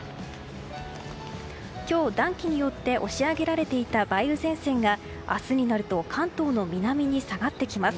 今日、暖気によって押し上げられていた梅雨前線が明日になると関東の南に下がってきます。